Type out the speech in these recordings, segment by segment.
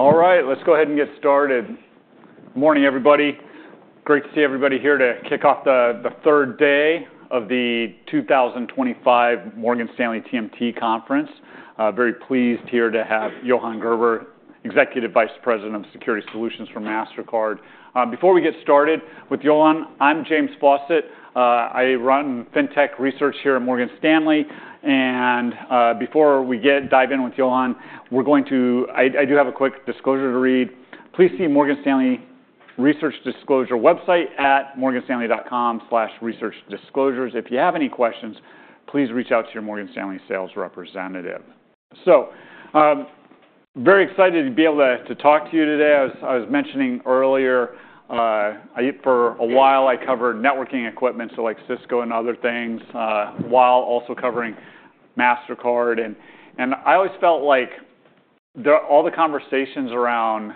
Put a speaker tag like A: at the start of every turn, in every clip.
A: All right, let's go ahead and get started. Morning, everybody. Great to see everybody here to kick off the third day of the 2025 Morgan Stanley TMT Conference. Very pleased here to have Johan Gerber, Executive Vice President of Security Solutions for Mastercard. Before we get started with Johan, I'm James Faucette. I run FinTech research here at Morgan Stanley. And before we dive in with Johan, we're going to. I do have a quick disclosure to read. Please see Morgan Stanley research disclosure website at morganstanley.com/researchdisclosures. If you have any questions, please reach out to your Morgan Stanley sales representative. So very excited to be able to talk to you today. I was mentioning earlier, for a while, I covered networking equipment, so like Cisco and other things, while also covering Mastercard. And I always felt like all the conversations around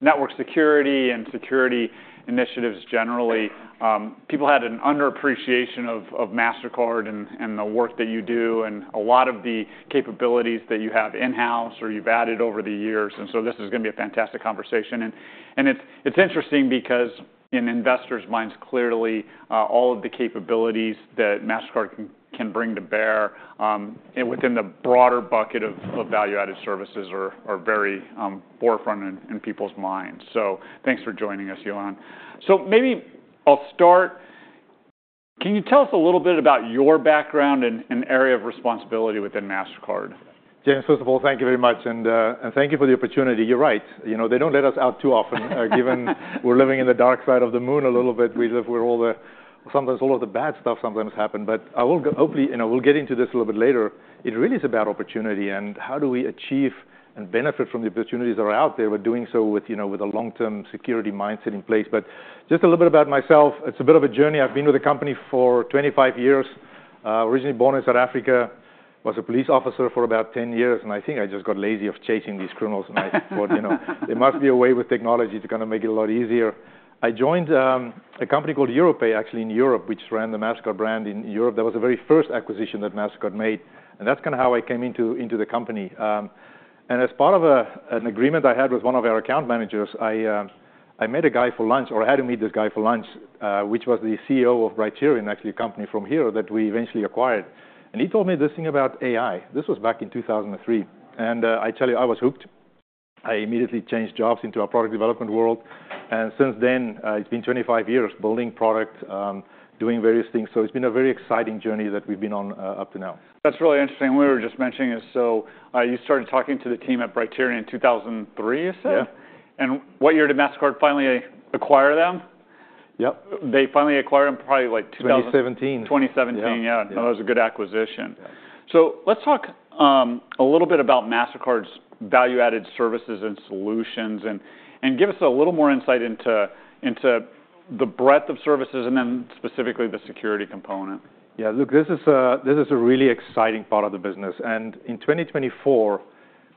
A: network security and security initiatives generally, people had an underappreciation of Mastercard and the work that you do and a lot of the capabilities that you have in-house or you've added over the years. And so this is going to be a fantastic conversation. And it's interesting because in investors' minds, clearly, all of the capabilities that Mastercard can bring to bear within the broader bucket of value-added services are very forefront in people's minds. So thanks for joining us, Johan. So maybe I'll start. Can you tell us a little bit about your background and area of responsibility within Mastercard?
B: James, first of all, thank you very much and thank you for the opportunity. You're right. They don't let us out too often, given we're living in the dark side of the moon a little bit. We live where sometimes all of the bad stuff sometimes happens, but hopefully, we'll get into this a little bit later. It really is about opportunity and how do we achieve and benefit from the opportunities that are out there by doing so with a long-term security mindset in place, but just a little bit about myself, it's a bit of a journey. I've been with the company for 25 years, originally born in South Africa, was a police officer for about 10 years, and I think I just got tired of chasing these criminals. There must be a way with technology to kind of make it a lot easier. I joined a company called Europay, actually, in Europe, which ran the Mastercard brand in Europe. That was the very first acquisition that Mastercard made. And that's kind of how I came into the company. And as part of an agreement I had with one of our account managers, I met a guy for lunch, or I had to meet this guy for lunch, which was the CEO of Brighterion and actually a company from here that we eventually acquired. And he told me this thing about AI. This was back in 2003. And I tell you, I was hooked. I immediately changed jobs into a product development world. And since then, it's been 25 years building product, doing various things. So it's been a very exciting journey that we've been on up to now.
A: That's really interesting. We were just mentioning it. So you started talking to the team at Brighterion in 2003, you said?
B: Yeah.
A: What year did Mastercard finally acquire them?
B: Yep.
A: They finally acquired them probably like 2000.
B: 2017.
A: 2017, yeah. That was a good acquisition. So let's talk a little bit about Mastercard's value-added services and solutions and give us a little more insight into the breadth of services and then specifically the security component.
B: Yeah, look, this is a really exciting part of the business. And in 2024,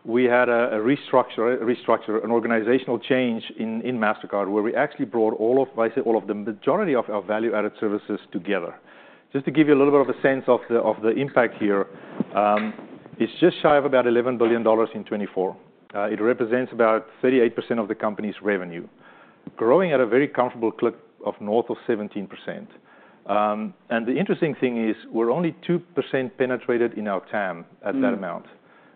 B: we had a restructure, an organizational change in Mastercard where we actually brought all of the majority of our value-added services together. Just to give you a little bit of a sense of the impact here, it's just shy of about $11 billion in 2024. It represents about 38% of the company's revenue, growing at a very comfortable clip of north of 17%. And the interesting thing is we're only 2% penetrated in our TAM at that amount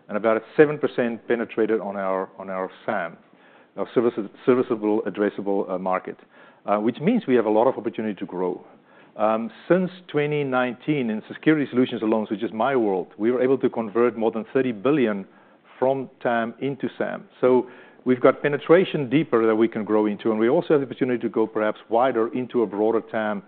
B: and about a 7% penetrated on our SAM, our serviceable addressable market, which means we have a lot of opportunity to grow. Since 2019, in Security Solutions alone, which is my world, we were able to convert more than $30 billion from TAM into SAM. So we've got penetration deeper that we can grow into. We also have the opportunity to go perhaps wider into a broader TAM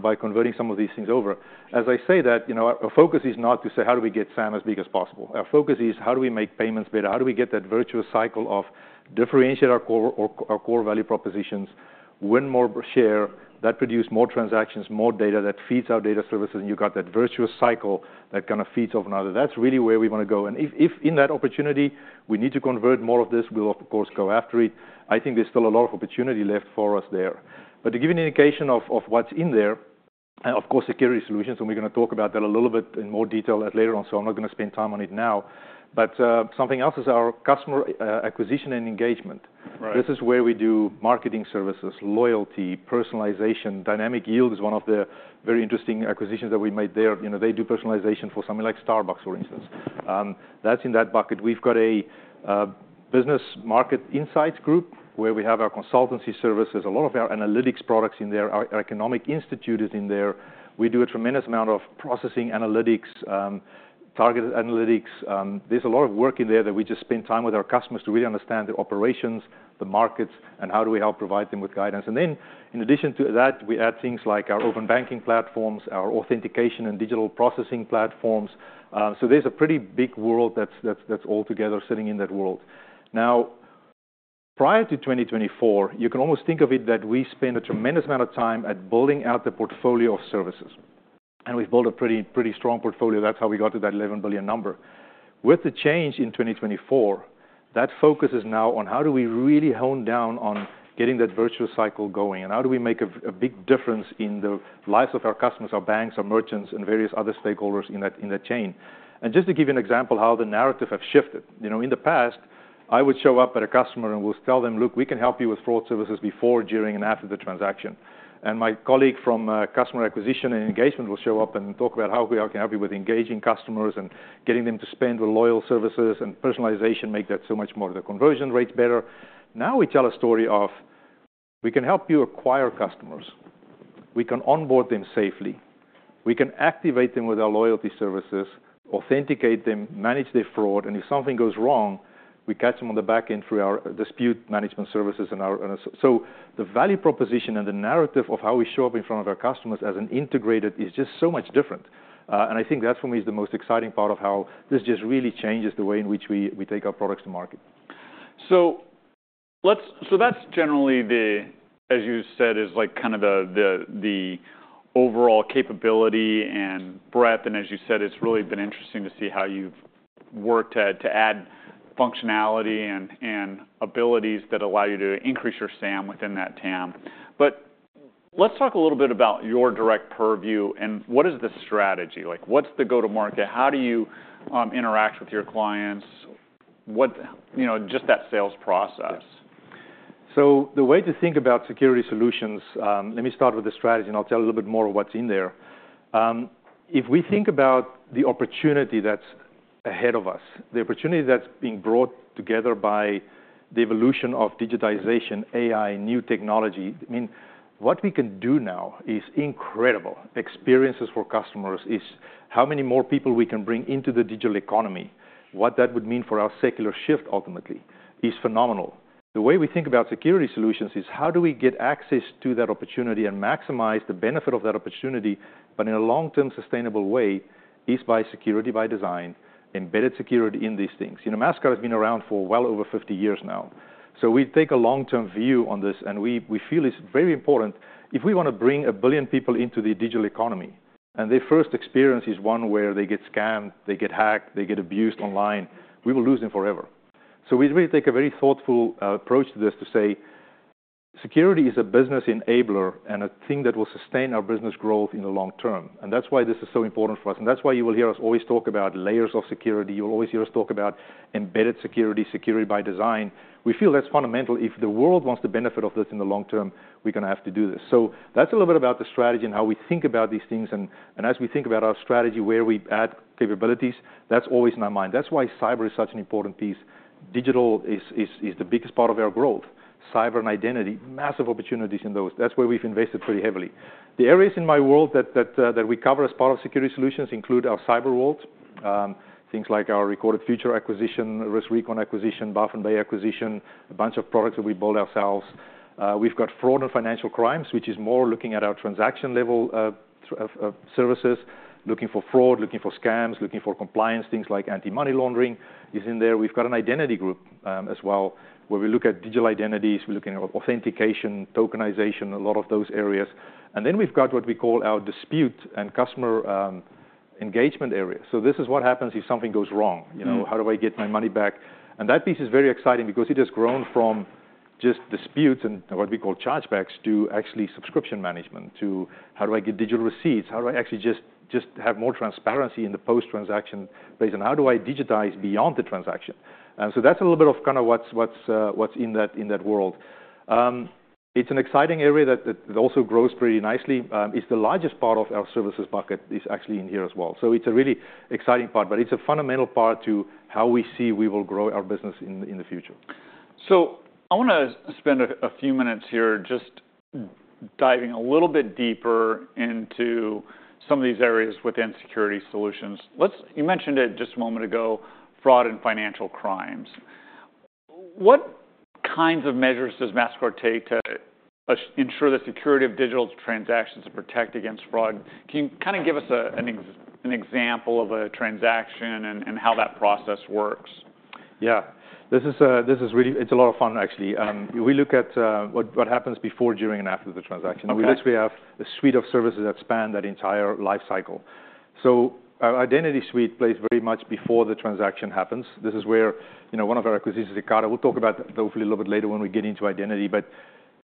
B: by converting some of these things over. As I say that, our focus is not to say, how do we get SAM as big as possible? Our focus is, how do we make payments better? How do we get that virtuous cycle of differentiate our core value propositions, win more share, that produce more transactions, more data that feeds our data services? And you've got that virtuous cycle that kind of feeds off another. That's really where we want to go. And if in that opportunity we need to convert more of this, we'll, of course, go after it. I think there's still a lot of opportunity left for us there. But to give you an indication of what's in there, of course, Security Solutions. And we're going to talk about that a little bit in more detail later on. So I'm not going to spend time on it now. But something else is our Customer Acquisition and Engagement. This is where we do marketing services, loyalty, personalization. Dynamic Yield is one of the very interesting acquisitions that we made there. They do personalization for something like Starbucks, for instance. That's in that bucket. We've got a Business Market Insights group where we have our consultancy services. A lot of our analytics products in there. Our Economic Institute is in there. We do a tremendous amount of processing analytics, targeted analytics. There's a lot of work in there that we just spend time with our customers to really understand the operations, the markets, and how do we help provide them with guidance. And then in addition to that, we add things like our open banking platforms, our authentication and digital processing platforms. So there's a pretty big world that's all together sitting in that world. Now, prior to 2024, you can almost think of it that we spent a tremendous amount of time at building out the portfolio of services. And we've built a pretty strong portfolio. That's how we got to that $11 billion number. With the change in 2024, that focus is now on how do we really hone down on getting that virtuous cycle going and how do we make a big difference in the lives of our customers, our banks, our merchants, and various other stakeholders in that chain. And just to give you an example of how the narrative has shifted. In the past, I would show up at a customer and we'll tell them, look, we can help you with fraud services before, during, and after the transaction. And my colleague from Customer Acquisition and Engagement will show up and talk about how we can help you with engaging customers and getting them to spend with loyalty services and personalization, make that so much more of the conversion rates better. Now we tell a story of we can help you acquire customers. We can onboard them safely. We can activate them with our loyalty services, authenticate them, manage their fraud. And if something goes wrong, we catch them on the back end through our dispute management services. And so the value proposition and the narrative of how we show up in front of our customers as an integrated is just so much different. I think that for me is the most exciting part of how this just really changes the way in which we take our products to market.
A: So that's generally the, as you said, is kind of the overall capability and breadth. And as you said, it's really been interesting to see how you've worked to add functionality and abilities that allow you to increase your SAM within that TAM. But let's talk a little bit about your direct purview and what is the strategy? What's the go-to-market? How do you interact with your clients? Just that sales process.
B: So the way to think about Security Solutions, let me start with the strategy, and I'll tell you a little bit more of what's in there. If we think about the opportunity that's ahead of us, the opportunity that's being brought together by the evolution of digitization, AI, new technology, I mean, what we can do now is incredible. Experiences for customers is how many more people we can bring into the digital economy. What that would mean for our secular shift, ultimately, is phenomenal. The way we think about Security Solutions is how do we get access to that opportunity and maximize the benefit of that opportunity, but in a long-term sustainable way is by security by design, embedded security in these things. Mastercard has been around for well over 50 years now. So we take a long-term view on this, and we feel it's very important if we want to bring a billion people into the digital economy. And their first experience is one where they get scammed, they get hacked, they get abused online. We will lose them forever. So we really take a very thoughtful approach to this to say security is a business enabler and a thing that will sustain our business growth in the long term. And that's why this is so important for us. And that's why you will hear us always talk about layers of security. You will always hear us talk about embedded security, security by design. We feel that's fundamental. If the world wants the benefit of this in the long term, we're going to have to do this. So that's a little bit about the strategy and how we think about these things. As we think about our strategy, where we add capabilities, that's always in our mind. That's why cyber is such an important piece. Digital is the biggest part of our growth. Cyber and identity, massive opportunities in those. That's where we've invested pretty heavily. The areas in my world that we cover as part of Security Solutions include our cyber world, things like our Recorded Future acquisition, RiskRecon acquisition, Baffin Bay acquisition, a bunch of products that we build ourselves. We've got fraud and financial crimes, which is more looking at our transaction-level services, looking for fraud, looking for scams, looking for compliance. Things like anti-money laundering is in there. We've got an identity group as well where we look at digital identities. We're looking at authentication, tokenization, a lot of those areas. Then we've got what we call our Dispute and Customer Engagement area. So this is what happens if something goes wrong. How do I get my money back? And that piece is very exciting because it has grown from just disputes and what we call chargebacks to actually subscription management to how do I get digital receipts? How do I actually just have more transparency in the post-transaction phase? And how do I digitize beyond the transaction? And so that's a little bit of kind of what's in that world. It's an exciting area that also grows pretty nicely. It's the largest part of our services bucket is actually in here as well. So it's a really exciting part, but it's a fundamental part to how we see we will grow our business in the future.
A: So I want to spend a few minutes here just diving a little bit deeper into some of these areas within Security Solutions. You mentioned it just a moment ago, fraud and financial crimes. What kinds of measures does Mastercard take to ensure the security of digital transactions to protect against fraud? Can you kind of give us an example of a transaction and how that process works?
B: Yeah. This is really, it's a lot of fun, actually. We look at what happens before, during, and after the transaction. We literally have a suite of services that span that entire lifecycle, so our identity suite plays very much before the transaction happens. This is where one of our acquisitions is Ekata. We'll talk about that hopefully a little bit later when we get into identity. But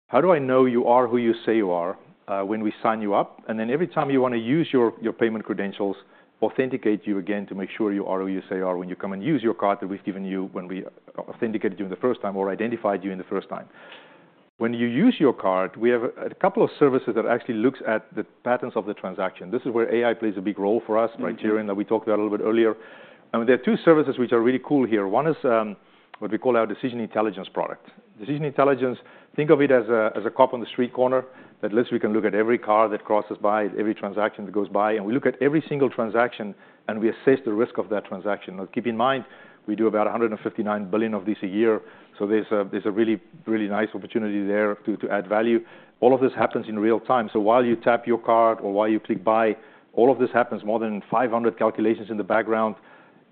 B: how do I know you are who you say you are when we sign you up, and then every time you want to use your payment credentials, authenticate you again to make sure you are who you say you are when you come and use your card that we've given you when we authenticated you in the first time or identified you in the first time. When you use your card, we have a couple of services that actually look at the patterns of the transaction. This is where AI plays a big role for us, Brighterion, and that we talked about a little bit earlier. There are two services which are really cool here. One is what we call our Decision Intelligence product. Decision Intelligence, think of it as a cop on the street corner that lets us look at every car that crosses by, every transaction that goes by. We look at every single transaction and we assess the risk of that transaction. Now, keep in mind, we do about $159 billion of this a year. So there's a really, really nice opportunity there to add value. All of this happens in real time. So while you tap your card or while you click buy, all of this happens, more than 500 calculations in the background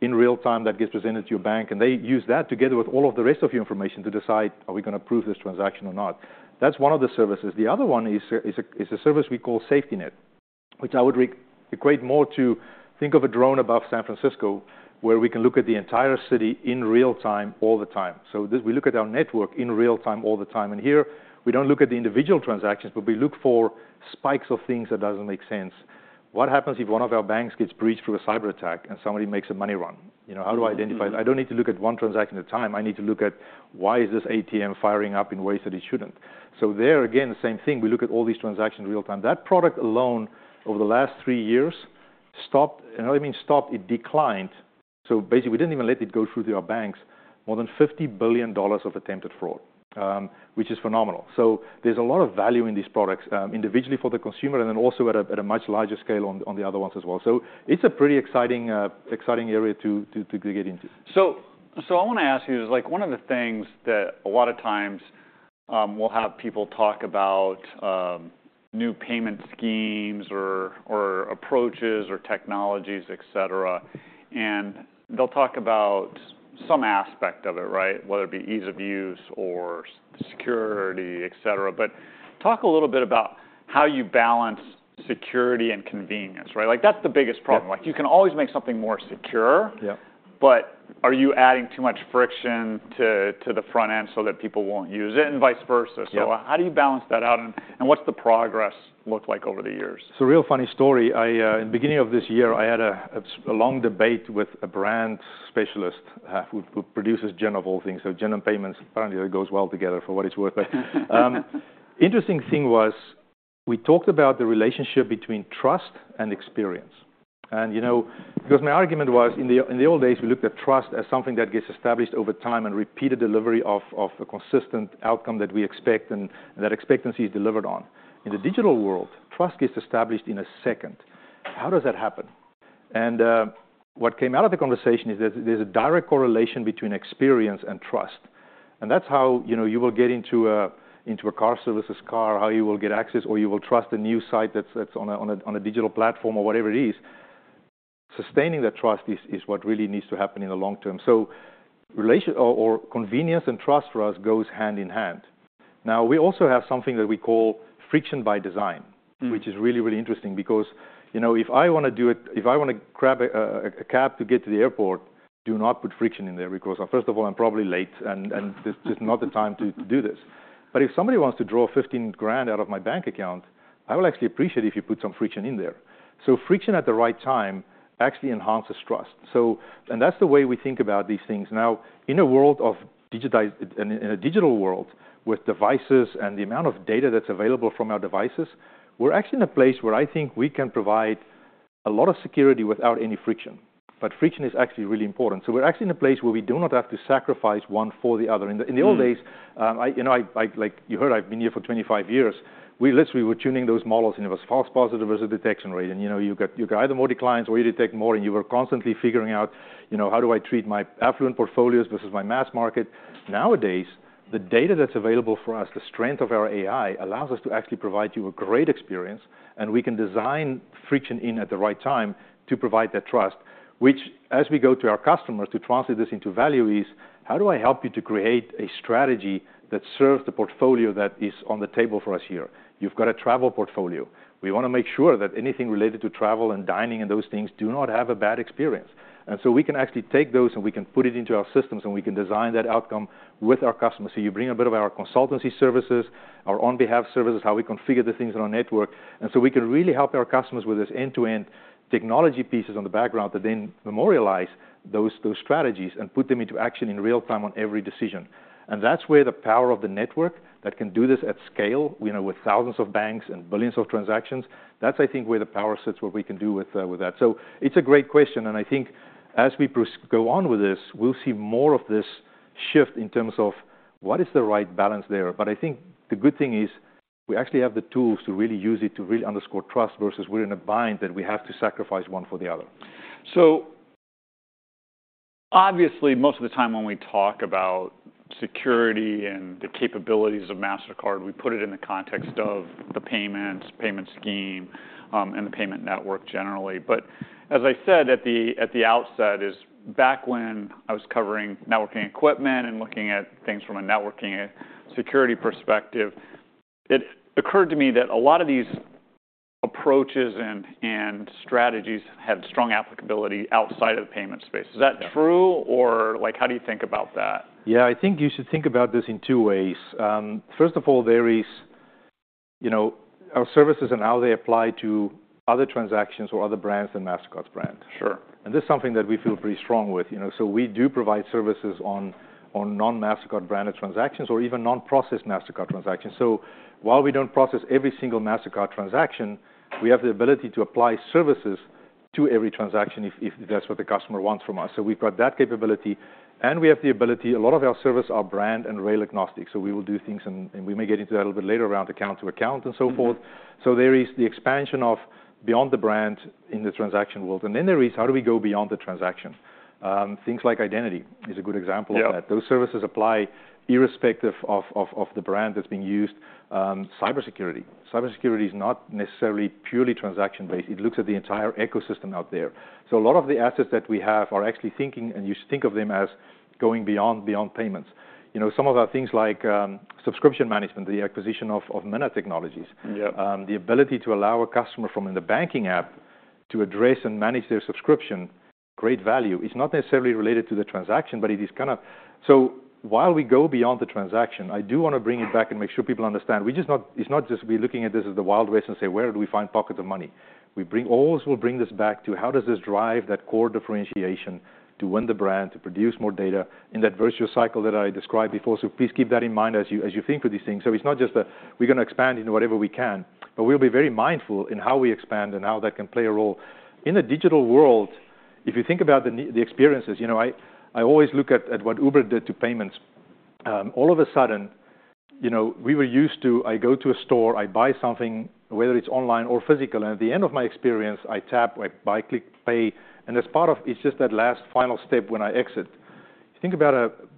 B: in real time that gets presented to your bank. And they use that together with all of the rest of your information to decide, are we going to approve this transaction or not? That's one of the services. The other one is a service we call Safety Net, which I would equate more to think of a drone above San Francisco where we can look at the entire city in real time all the time. So we look at our network in real time all the time. And here, we don't look at the individual transactions, but we look for spikes of things that don't make sense. What happens if one of our banks gets breached through a cyber attack and somebody makes a money run? How do I identify it? I don't need to look at one transaction at a time. I need to look at why is this ATM firing up in ways that it shouldn't? So there, again, same thing. We look at all these transactions in real time. That product alone over the last three years stopped. And I don't mean stopped. It declined. So basically, we didn't even let it go through to our banks. More than $50 billion of attempted fraud, which is phenomenal. So there's a lot of value in these products individually for the consumer and then also at a much larger scale on the other ones as well. So it's a pretty exciting area to get into.
A: So I want to ask you, one of the things that a lot of times we'll have people talk about new payment schemes or approaches or technologies, et cetera. And they'll talk about some aspect of it, right? Whether it be ease of use or security, et cetera. But talk a little bit about how you balance security and convenience, right? That's the biggest problem. You can always make something more secure, but are you adding too much friction to the front end so that people won't use it and vice versa? So how do you balance that out? And what's the progress look like over the years?
B: It's a real funny story. In the beginning of this year, I had a long debate with a brand specialist who produces GenAI of all things, so GenAI and payments apparently go well together for what it's worth. The interesting thing was we talked about the relationship between trust and experience, and because my argument was in the old days, we looked at trust as something that gets established over time and repeated delivery of a consistent outcome that we expect and that expectancy is delivered on. In the digital world, trust gets established in a second. How does that happen, and what came out of the conversation is that there's a direct correlation between experience and trust, and that's how you will get into a car services car, how you will get access, or you will trust a new site that's on a digital platform or whatever it is. Sustaining that trust is what really needs to happen in the long term. So reliability or convenience and trust for us goes hand in hand. Now, we also have something that we call friction by design, which is really, really interesting because if I want to do it, if I want to grab a cab to get to the airport, do not put friction in there because first of all, I'm probably late and this is not the time to do this. But if somebody wants to draw $15,000 out of my bank account, I will actually appreciate it if you put some friction in there. So friction at the right time actually enhances trust. And that's the way we think about these things. Now, in a world of digital, in a digital world with devices and the amount of data that's available from our devices, we're actually in a place where I think we can provide a lot of security without any friction. But friction is actually really important. So we're actually in a place where we do not have to sacrifice one for the other. In the old days, like you heard, I've been here for 25 years. We literally were tuning those models and it was false positive versus detection rate. And you got either more declines or you detect more. And you were constantly figuring out how do I treat my affluent portfolios versus my mass market. Nowadays, the data that's available for us, the strength of our AI allows us to actually provide you a great experience. We can design friction in at the right time to provide that trust, which as we go to our customers to translate this into value is how do I help you to create a strategy that serves the portfolio that is on the table for us here? You've got a travel portfolio. We want to make sure that anything related to travel and dining and those things do not have a bad experience. And so we can actually take those and we can put it into our systems and we can design that outcome with our customers. So you bring a bit of our consultancy services, our on-behalf services, how we configure the things on our network. And so we can really help our customers with this end-to-end technology pieces on the background that then memorialize those strategies and put them into action in real time on every decision. That's where the power of the network that can do this at scale with thousands of banks and billions of transactions. That's, I think, where the power sits, what we can do with that. It's a great question. I think as we go on with this, we'll see more of this shift in terms of what is the right balance there. I think the good thing is we actually have the tools to really use it to really underscore trust versus we're in a bind that we have to sacrifice one for the other.
A: So obviously, most of the time when we talk about security and the capabilities of Mastercard, we put it in the context of the payments, payment scheme, and the payment network generally. But as I said at the outset, back when I was covering networking equipment and looking at things from a networking security perspective, it occurred to me that a lot of these approaches and strategies had strong applicability outside of the payment space. Is that true? Or how do you think about that?
B: Yeah, I think you should think about this in two ways. First of all, there is our services and how they apply to other transactions or other brands than Mastercard's brand. And this is something that we feel pretty strong with. So we do provide services on non-Mastercard branded transactions or even non-processed Mastercard transactions. So while we don't process every single Mastercard transaction, we have the ability to apply services to every transaction if that's what the customer wants from us. So we've got that capability. And we have the ability, a lot of our service are brand and rail agnostic. So we will do things, and we may get into that a little bit later around account to account and so forth. So there is the expansion of beyond the brand in the transaction world. And then there is how do we go beyond the transaction? Things like identity is a good example of that. Those services apply irrespective of the brand that's being used. Cybersecurity, cybersecurity is not necessarily purely transaction-based. It looks at the entire ecosystem out there. So a lot of the assets that we have are actually thinking, and you should think of them as going beyond payments. Some of our things like subscription management, the acquisition of Minna Technologies, the ability to allow a customer from in the banking app to address and manage their subscription, great value. It's not necessarily related to the transaction, but it is kind of, so while we go beyond the transaction, I do want to bring it back and make sure people understand. It's not just we're looking at this as the wild west and say, where do we find pockets of money? We always will bring this back to how does this drive that core differentiation to win the brand, to produce more data in that virtual cycle that I described before. So please keep that in mind as you think of these things. So it's not just that we're going to expand into whatever we can, but we'll be very mindful in how we expand and how that can play a role. In the digital world, if you think about the experiences, I always look at what Uber did to payments. All of a sudden, we were used to I go to a store, I buy something, whether it's online or physical. And at the end of my experience, I tap, I click pay. And as part of, it's just that last final step when I exit. Think about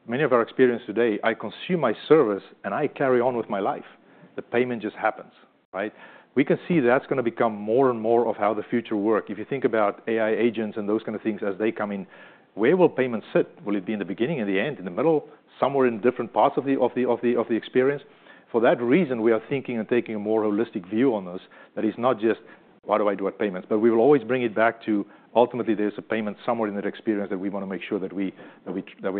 B: many of our experiences today. I consume my service and I carry on with my life. The payment just happens, right? We can see that's going to become more and more of how the future works. If you think about AI agents and those kinds of things as they come in, where will payments sit? Will it be in the beginning, in the end, in the middle, somewhere in different parts of the experience? For that reason, we are thinking and taking a more holistic view on those that is not just, why do I do it payments? But we will always bring it back to ultimately there's a payment somewhere in that experience that we want to make sure that we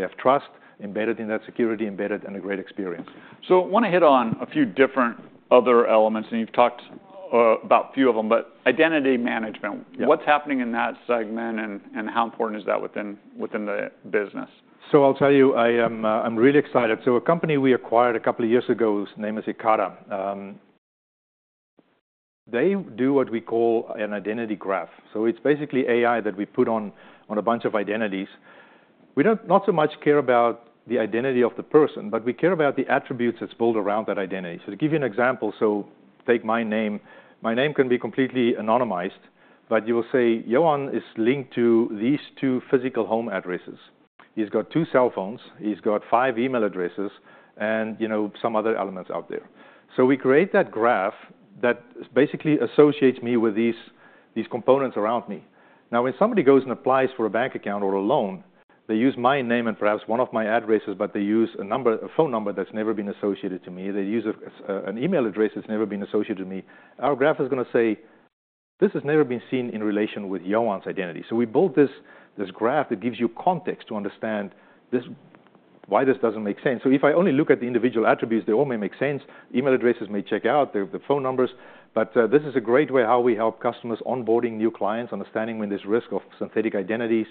B: have trust embedded in that security, embedded in a great experience.
A: So I want to hit on a few different other elements. And you've talked about a few of them, but identity management. What's happening in that segment and how important is that within the business?
B: I'll tell you, I'm really excited. A company we acquired a couple of years ago, whose name is Ekata, they do what we call an identity graph. It's basically AI that we put on a bunch of identities. We don't so much care about the identity of the person, but we care about the attributes that's built around that identity. To give you an example, take my name. My name can be completely anonymized, but you will say Johan is linked to these two physical home addresses. He's got two cell phones. He's got five email addresses and some other elements out there. We create that graph that basically associates me with these components around me. Now, when somebody goes and applies for a bank account or a loan, they use my name and perhaps one of my addresses, but they use a phone number that's never been associated to me. They use an email address that's never been associated to me. Our graph is going to say, this has never been seen in relation with Johan's identity. So we built this graph that gives you context to understand why this doesn't make sense. So if I only look at the individual attributes, they all may make sense. Email addresses may check out, the phone numbers. But this is a great way how we help customers onboarding new clients, understanding when there's risk of synthetic identities,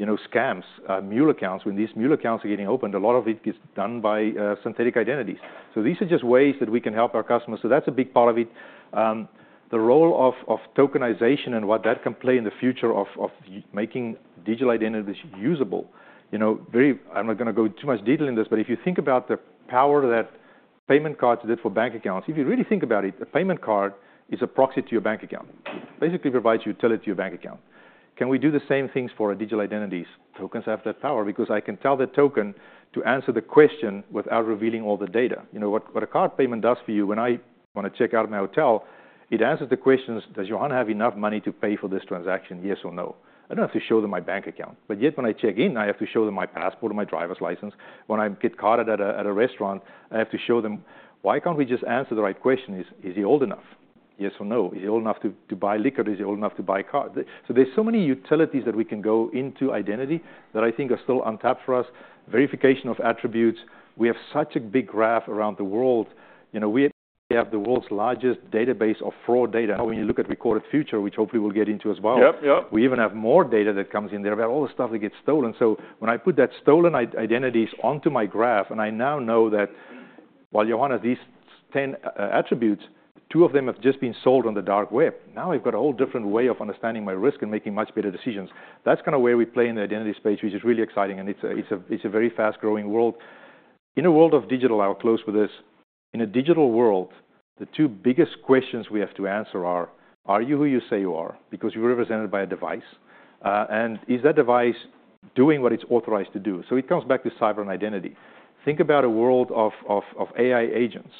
B: scams, mule accounts. When these mule accounts are getting opened, a lot of it gets done by synthetic identities. So these are just ways that we can help our customers. So that's a big part of it. The role of tokenization and what that can play in the future of making digital identities usable. I'm not going to go into too much detail in this, but if you think about the power that payment cards did for bank accounts, if you really think about it, a payment card is a proxy to your bank account. It basically provides utility to your bank account. Can we do the same things for digital identities? Tokens have that power because I can tell the token to answer the question without revealing all the data. What a card payment does for you, when I want to check out my hotel, it answers the questions, does Johan have enough money to pay for this transaction, yes or no? I don't have to show them my bank account. But yet when I check in, I have to show them my passport or my driver's license. When I get carded at a restaurant, I have to show them. Why can't we just answer the right question? Is he old enough? Yes or no? Is he old enough to buy liquor? Is he old enough to buy a car? So there's so many utilities that we can go into identity that I think are still untapped for us. Verification of attributes. We have such a big graph around the world. We have the world's largest database of fraud data. When you look at Recorded Future, which hopefully we'll get into as well, we even have more data that comes in there about all the stuff that gets stolen. When I put that stolen identities onto my graph, and I now know that while Johan has these 10 attributes, two of them have just been sold on the dark web. Now I've got a whole different way of understanding my risk and making much better decisions. That's kind of where we play in the identity space, which is really exciting. And it's a very fast-growing world. In a world of digital, I'll close with this. In a digital world, the two biggest questions we have to answer are, are you who you say you are because you're represented by a device? And is that device doing what it's authorized to do? So it comes back to cyber and identity. Think about a world of AI agents.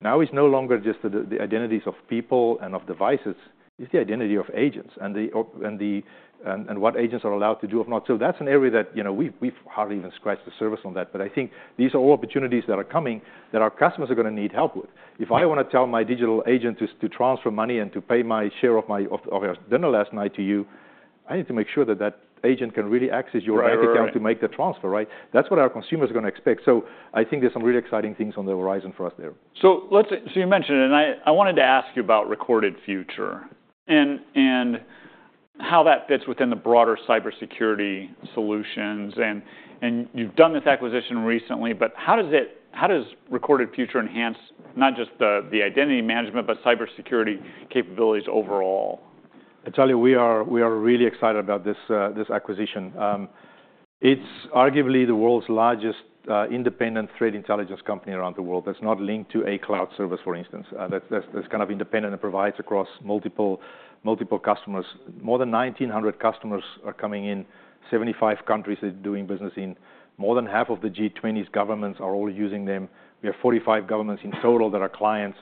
B: Now it's no longer just the identities of people and of devices. It's the identity of agents and what agents are allowed to do or not. So that's an area that we've hardly even scratched the surface on that. But I think these are all opportunities that are coming that our customers are going to need help with. If I want to tell my digital agent to transfer money and to pay my share of our dinner last night to you, I need to make sure that that agent can really access your bank account to make the transfer, right? That's what our consumers are going to expect. So I think there's some really exciting things on the horizon for us there.
A: So you mentioned it, and I wanted to ask you about Recorded Future and how that fits within the broader cybersecurity solutions. And you've done this acquisition recently, but how does Recorded Future enhance not just the identity management, but cybersecurity capabilities overall?
B: I tell you, we are really excited about this acquisition. It's arguably the world's largest independent threat intelligence company around the world that's not linked to a cloud service, for instance. That's kind of independent and provides across multiple customers. More than 1,900 customers are coming in, 75 countries are doing business in. More than half of the G20's governments are all using them. We have 45 governments in total that are clients.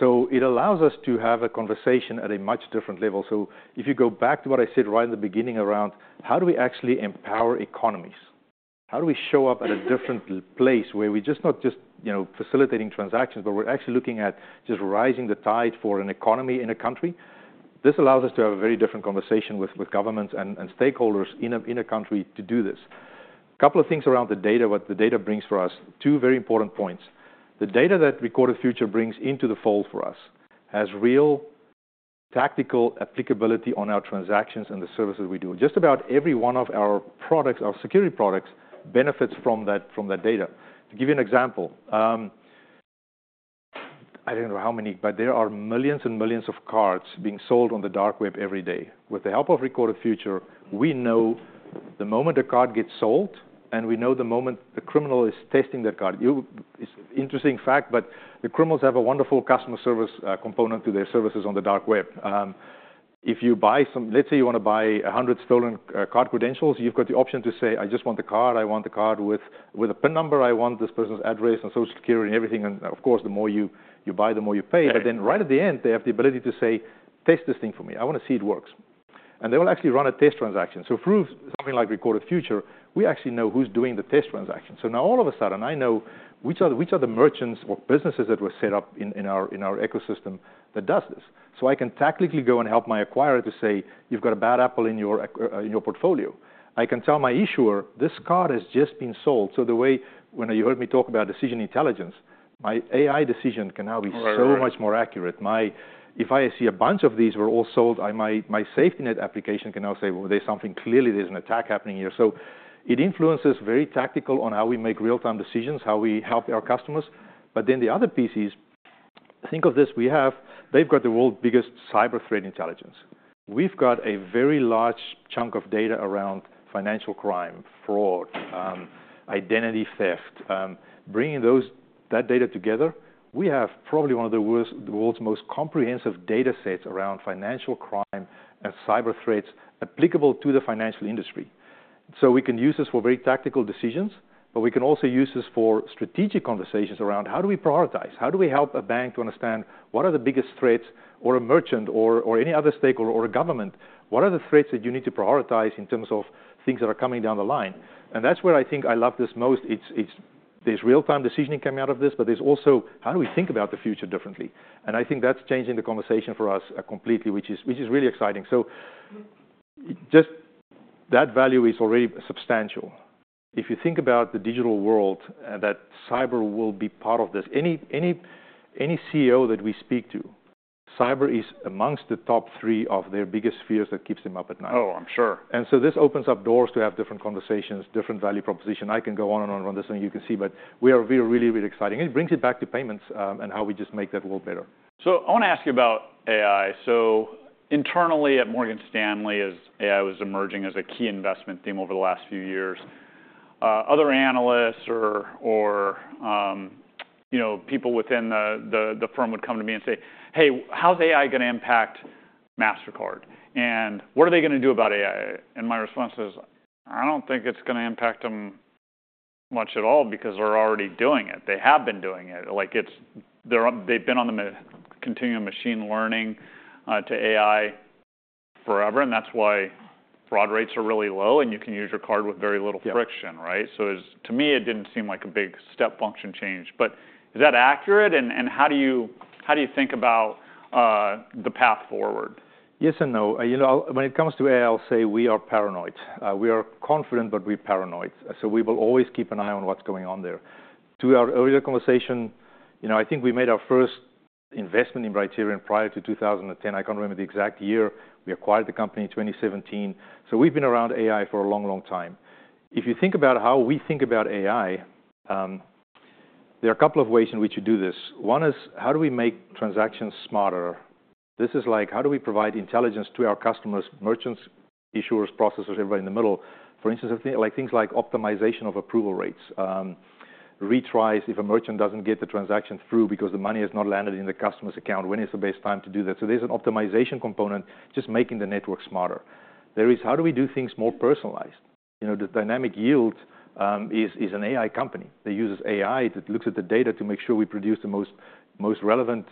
B: So it allows us to have a conversation at a much different level. So if you go back to what I said right in the beginning around how do we actually empower economies? How do we show up at a different place where we're just not just facilitating transactions, but we're actually looking at just rising the tide for an economy in a country? This allows us to have a very different conversation with governments and stakeholders in a country to do this. A couple of things around the data, what the data brings for us, two very important points. The data that Recorded Future brings into the fold for us has real tactical applicability on our transactions and the services we do. Just about every one of our products, our security products benefits from that data. To give you an example, I don't know how many, but there are millions and millions of cards being sold on the dark web every day. With the help of Recorded Future, we know the moment a card gets sold and we know the moment the criminal is testing that card. It's an interesting fact, but the criminals have a wonderful customer service component to their services on the dark web. If you buy, let's say you want to buy 100 stolen card credentials, you've got the option to say, I just want the card. I want the card with a PIN number. I want this person's address and Social Security and everything. And of course, the more you buy, the more you pay. But then right at the end, they have the ability to say, test this thing for me. I want to see it works. And they will actually run a test transaction. So through something like Recorded Future, we actually know who's doing the test transaction. So now all of a sudden, I know which are the merchants or businesses that were set up in our ecosystem that does this. So I can tactically go and help my acquirer to say, you've got a bad apple in your portfolio. I can tell my issuer, this card has just been sold. So the way when you heard me talk about Decision Intelligence, my AI decision can now be so much more accurate. If I see a bunch of these were all sold, my Safety Net application can now say, well, there's something clearly an attack happening here. So it influences very tactical on how we make real-time decisions, how we help our customers. But then the other piece is, think of this. They've got the world's biggest cyber threat intelligence. We've got a very large chunk of data around financial crime, fraud, identity theft. Bringing that data together, we have probably one of the world's most comprehensive data sets around financial crime and cyber threats applicable to the financial industry. So we can use this for very tactical decisions, but we can also use this for strategic conversations around how do we prioritize? How do we help a bank to understand what are the biggest threats or a merchant or any other stakeholder or a government? What are the threats that you need to prioritize in terms of things that are coming down the line? And that's where I think I love this most. There's real-time decisioning coming out of this, but there's also how do we think about the future differently? And I think that's changing the conversation for us completely, which is really exciting. So just that value is already substantial. If you think about the digital world and that cyber will be part of this, any CEO that we speak to, cyber is amongst the top three of their biggest fears that keeps them up at night.
A: Oh, I'm sure.
B: And so this opens up doors to have different conversations, different value proposition. I can go on and on on this thing you can see, but we are really, really exciting. And it brings it back to payments and how we just make that world better.
A: So I want to ask you about AI. So internally at Morgan Stanley, AI was emerging as a key investment theme over the last few years. Other analysts or people within the firm would come to me and say, hey, how's AI going to impact Mastercard? And what are they going to do about AI? And my response is, I don't think it's going to impact them much at all because they're already doing it. They have been doing it. They've been on the continuum of machine learning to AI forever. And that's why fraud rates are really low and you can use your card with very little friction, right? So to me, it didn't seem like a big step function change. But is that accurate? And how do you think about the path forward?
B: Yes and no. When it comes to AI, I'll say we are paranoid. We are confident, but we're paranoid. So we will always keep an eye on what's going on there. To our earlier conversation, I think we made our first investment in Brighterion prior to 2010. I can't remember the exact year. We acquired the company in 2017. So we've been around AI for a long, long time. If you think about how we think about AI, there are a couple of ways in which you do this. One is how do we make transactions smarter? This is like how do we provide intelligence to our customers, merchants, issuers, processors, everybody in the middle? For instance, things like optimization of approval rates, retries if a merchant doesn't get the transaction through because the money has not landed in the customer's account. When is the best time to do that? So there's an optimization component, just making the network smarter. There is how do we do things more personalized? The Dynamic Yield is an AI company that uses AI that looks at the data to make sure we produce the most relevant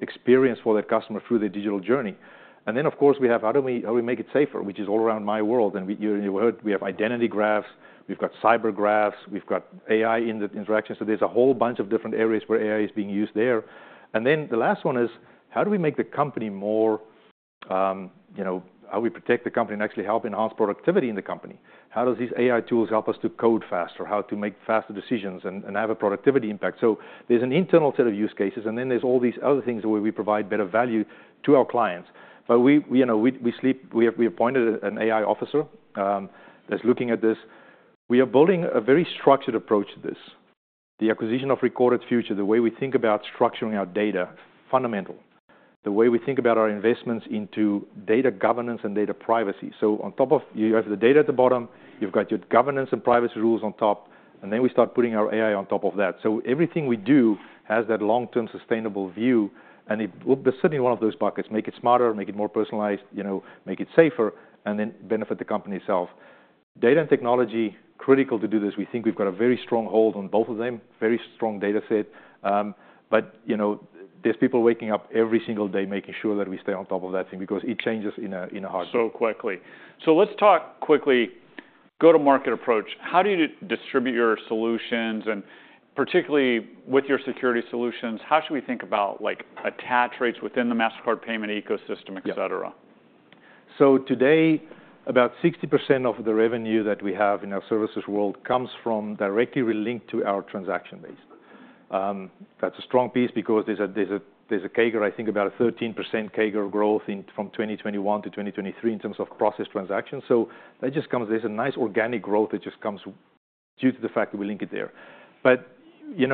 B: experience for that customer through their digital journey. And then, of course, we have how do we make it safer, which is all around my world. And you heard we have identity graphs. We've got cyber graphs. We've got AI in the interaction. So there's a whole bunch of different areas where AI is being used there. And then the last one is how do we make the company more? How do we protect the company and actually help enhance productivity in the company? How do these AI tools help us to code faster, how to make faster decisions and have a productivity impact? So there's an internal set of use cases, and then there's all these other things where we provide better value to our clients, but we appointed an AI officer that's looking at this. We are building a very structured approach to this. The acquisition of Recorded Future, the way we think about structuring our data, fundamental. The way we think about our investments into data governance and data privacy, so on top of you have the data at the bottom, you've got your governance and privacy rules on top, and then we start putting our AI on top of that, so everything we do has that long-term sustainable view, and we'll be sitting in one of those buckets, make it smarter, make it more personalized, make it safer, and then benefit the company itself. Data and technology, critical to do this. We think we've got a very strong hold on both of them, very strong data set. But there's people waking up every single day making sure that we stay on top of that thing because it changes in a heartbeat.
A: So, quickly. So, let's talk quickly go to market approach. How do you distribute your solutions? And particularly with your Security Solutions, how should we think about attach rates within the Mastercard payment ecosystem, et cetera?
B: So today, about 60% of the revenue that we have in our services world comes from directly linked to our transaction base. That's a strong piece because there's a CAGR, I think about a 13% CAGR growth from 2021 to 2023 in terms of processed transactions. So that just comes, there's a nice organic growth that just comes due to the fact that we link it there. But you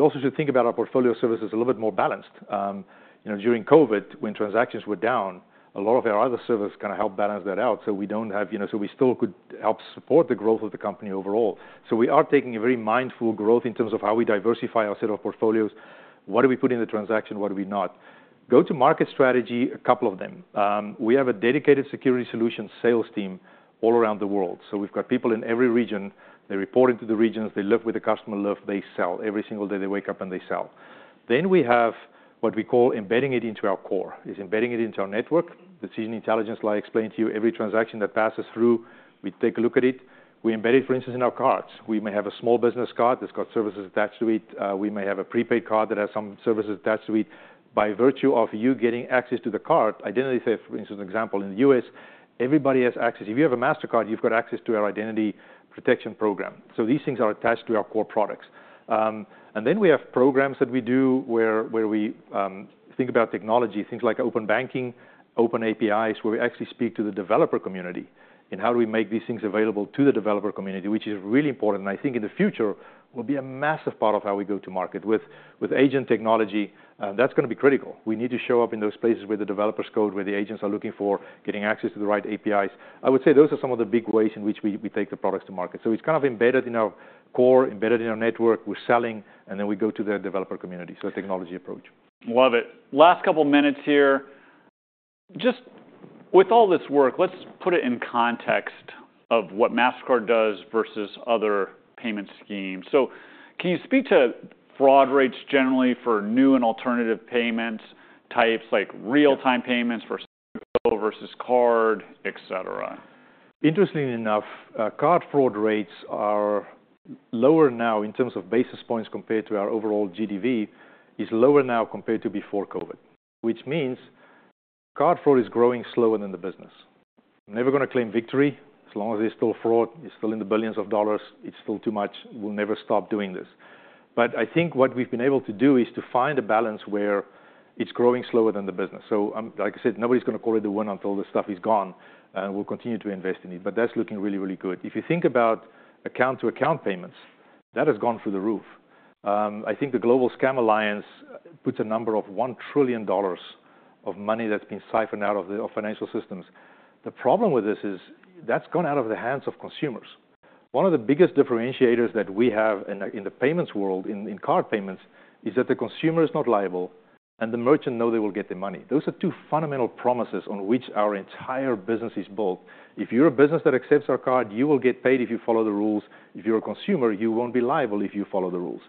B: also should think about our portfolio of services a little bit more balanced. During COVID, when transactions were down, a lot of our other services kind of helped balance that out. So we don't have, so we still could help support the growth of the company overall. So we are taking a very mindful growth in terms of how we diversify our set of portfolios. What do we put in the transaction? What do we not? Go to market strategy, a couple of them. We have a dedicated security solution sales team all around the world. So we've got people in every region. They report into the regions. They live with the customer live. They sell. Every single day they wake up and they sell. Then we have what we call embedding it into our core. It's embedding it into our network. Decision Intelligence, like I explained to you, every transaction that passes through, we take a look at it. We embed it, for instance, in our cards. We may have a small business card that's got services attached to it. We may have a prepaid card that has some services attached to it. By virtue of you getting access to the card, identity theft, for instance, an example in the U.S., everybody has access. If you have a Mastercard, you've got access to our identity protection program, so these things are attached to our core products, and then we have programs that we do where we think about technology, things like open banking, open APIs, where we actually speak to the developer community in how do we make these things available to the developer community, which is really important, and I think in the future will be a massive part of how we go to market with agent technology. That's going to be critical. We need to show up in those places where the developers code, where the agents are looking for getting access to the right APIs. I would say those are some of the big ways in which we take the products to market, so it's kind of embedded in our core, embedded in our network. We're selling, and then we go to the developer community. So a technology approach.
A: Love it. Last couple of minutes here. Just with all this work, let's put it in context of what Mastercard does versus other payment schemes. So can you speak to fraud rates generally for new and alternative payment types, like real-time payments versus physical versus card, et cetera?
B: Interestingly enough, card fraud rates are lower now in terms of basis points compared to our overall GDV, is lower now compared to before COVID, which means card fraud is growing slower than the business. I'm never going to claim victory as long as there's still fraud. It's still in the billions of dollars. It's still too much. We'll never stop doing this. But I think what we've been able to do is to find a balance where it's growing slower than the business. So like I said, nobody's going to call it the winner until the stuff is gone, and we'll continue to invest in it. But that's looking really, really good. If you think about account-to-account payments, that has gone through the roof. I think the Global Anti-Scam Alliance puts a number of $1 trillion of money that's been siphoned out of the financial systems. The problem with this is that's gone out of the hands of consumers. One of the biggest differentiators that we have in the payments world, in card payments, is that the consumer is not liable, and the merchant knows they will get their money. Those are two fundamental promises on which our entire business is built. If you're a business that accepts our card, you will get paid if you follow the rules. If you're a consumer, you won't be liable if you follow the rules.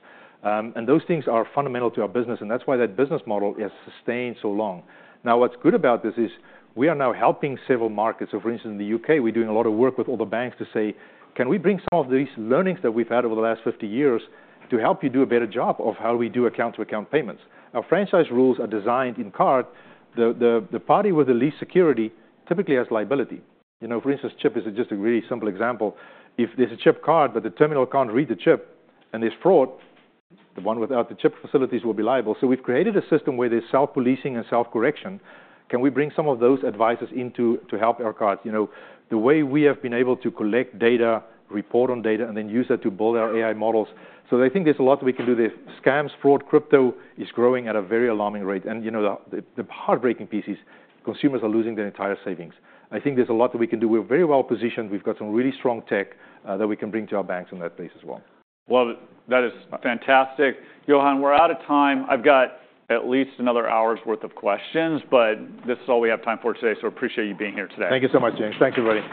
B: And those things are fundamental to our business. And that's why that business model has sustained so long. Now, what's good about this is we are now helping several markets. So for instance, in the U.K., we're doing a lot of work with all the banks to say, can we bring some of these learnings that we've had over the last 50 years to help you do a better job of how we do account-to-account payments? Our franchise rules are designed in card. The party with the least security typically has liability. For instance, chip is just a really simple example. If there's a chip card, but the terminal can't read the chip and there's fraud, the one without the chip facilities will be liable. So we've created a system where there's self-policing and self-correction. Can we bring some of that advice to help our A2A? The way we have been able to collect data, report on data, and then use that to build our AI models. So I think there's a lot that we can do there. Scams, fraud, crypto is growing at a very alarming rate. And the heartbreaking piece is consumers are losing their entire savings. I think there's a lot that we can do. We're very well positioned. We've got some really strong tech that we can bring to our banks on that base as well.
A: Well, that is fantastic. Johan, we're out of time. I've got at least another hour's worth of questions, but this is all we have time for today. So appreciate you being here today.
B: Thank you so much, James. Thank you everybody.